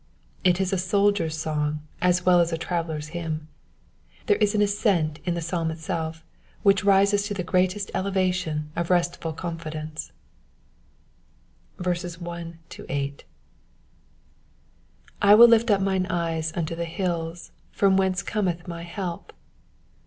It is a soldier's song as ufetf as a iraveiler*s hymn. Ihere is an ascent in the psalm itself which rises to the greatest elevation (^restful confidence, EXPOSITION. I WILL lift up mine eyes unto the hills, from whence cometh my help.